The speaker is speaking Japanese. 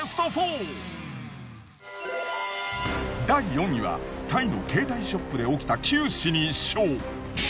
第４位はタイの携帯ショップで起きた九死に一生。